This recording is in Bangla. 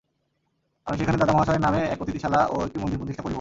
আমি সেখানে দাদামহাশয়ের নামে এক অতিথিশালা ও একটি মন্দির প্রতিষ্ঠা করিব।